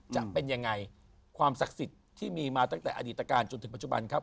จะเป็นยังไงความศักดิ์สิทธิ์ที่มีมาตั้งแต่อดีตการณจนถึงปัจจุบันครับ